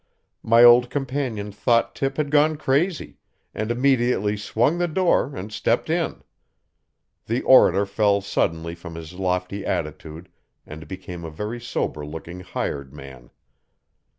My old companion thought Tip had gone crazy, and immediately swung the door and stepped in. The orator fell suddenly from his lofty altitude and became a very sober looking hired man.